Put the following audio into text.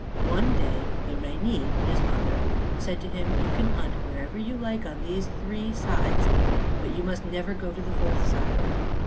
One day the Ranee his mother, said to him, "You can hunt wherever you like on these three sides; but you must never go to the fourth side."